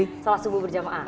salat subuh berjamaah